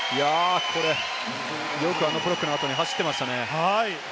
よくあのブロックの後に走っていましたね。